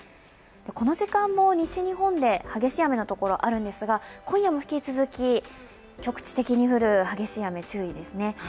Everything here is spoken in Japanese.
この時間も西日本で激しい雨のところあるんですが今夜も引き続き、局地的に降る激しい雨に注意ですね。